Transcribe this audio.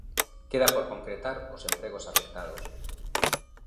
Queda por concretar os empregos afectados.